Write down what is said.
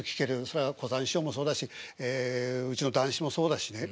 それは小さん師匠もそうだしうちの談志もそうだしね。